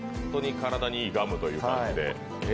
体にいいガムという感じで。